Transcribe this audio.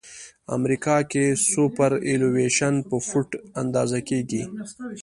امریکا کې سوپرایلیویشن په فوټ اندازه کیږي